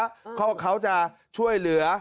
พวกเขาจะช่วยเหลือ